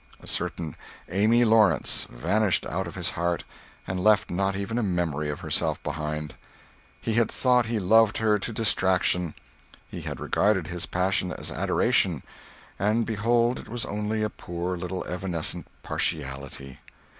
A certain Amy Lawrence vanished out of his heart and left not even a memory of herself behind. He had thought he loved her to distraction; he had regarded his passion as adoration; and behold it was only a poor little evanescent partiality.